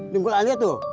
dungkul alia tuh